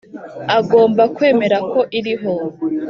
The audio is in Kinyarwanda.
agomba kwemera ko iriho.